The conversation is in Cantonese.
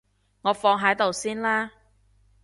我放喺度先啦